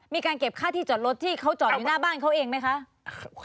มีการเก็บค่าที่จอดรถที่เขาจอดอยู่หน้าบ้านเขาเองไหมคะ